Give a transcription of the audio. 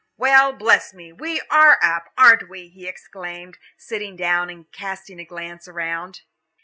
"Well, bless me, we are up, aren't we?" he exclaimed, sitting down and casting a glance around.